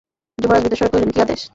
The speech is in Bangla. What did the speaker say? যুবরাজ ভীতস্বরে কহিলেন, কী আদেশ!